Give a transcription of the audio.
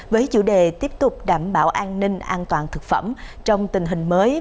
với chủ đề tiếp tục đảm bảo an ninh an toàn thực phẩm trong tình hình mới